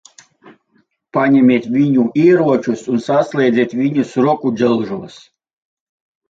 Paņemiet viņu ieročus un saslēdziet viņus rokudzelžos.